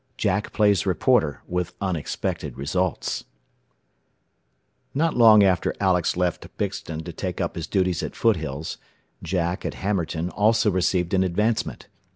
IX JACK PLAYS REPORTER, WITH UNEXPECTED RESULTS Not long after Alex left Bixton to take up his duties at Foothills, Jack, at Hammerton, also received an advancement.